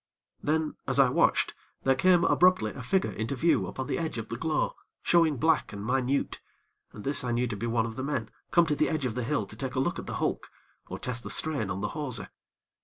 Then, as I watched, there came, abruptly a figure into view upon the edge of the glow, showing black and minute, and this I knew to be one of the men come to the edge of the hill to take a look at the hulk, or test the strain on the hawser.